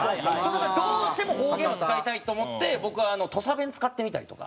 だからどうしても方言を使いたいと思って僕は土佐弁使ってみたりとか。